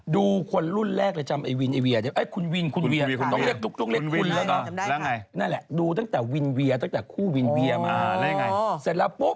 ดูคนรุ่นแรกรายจำไอ้วินไอ้เวียร์